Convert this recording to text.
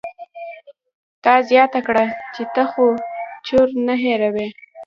تا زياته کړه چې ته خو چور نه هېروم.